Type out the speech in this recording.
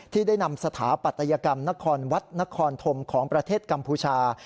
ที่ได้นำสถาปัตยกรรมนครวัดนครธมของประเทศกัมพูชา